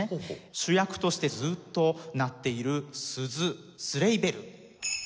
主役としてずっと鳴っている鈴スレイベル。